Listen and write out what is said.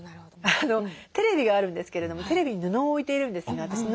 テレビがあるんですけれどもテレビに布を置いているんですね。